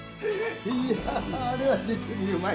いやあれは実にうまい。